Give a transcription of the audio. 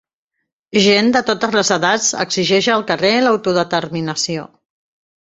Gent de totes les edats exigeix al carrer l'autodeterminació